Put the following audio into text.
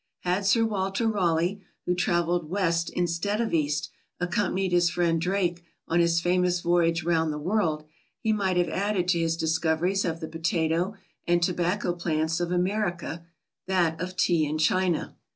Had Sir Walter Raleigh, who travelled West instead of East, accompanied his friend Drake on his famous voyage round the world, he might have added to his discoveries of the potato and tobacco plants of America, that of Tea in China.